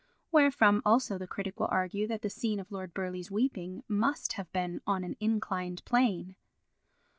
Wherefrom also the critic will argue that the scene of Lord Burleigh's weeping must have been on an inclined plane.